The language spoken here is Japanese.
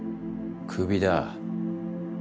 クビだ。